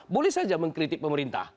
boleh saja mengkritik pemerintah